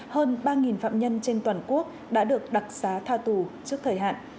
hơn ba phạm nhân trên toàn quốc đã được đặc xá tha tù trước thời hạn